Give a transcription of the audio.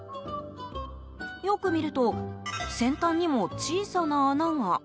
よく見ると先端にも小さな穴が。